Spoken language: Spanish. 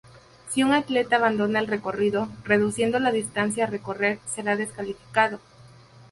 Si un Atleta abandona el recorrido, reduciendo la distancia a recorrer será descalificado.